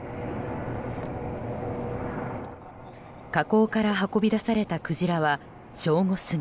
河口から運び出されたクジラは正午過ぎ。